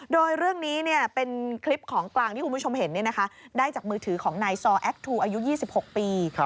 โดยเรื่องนี้เป็นคลิปของกลางที่คุณผู้ชมเห็นได้จากมือถือของนายซอแอคทูอายุ๒๖ปี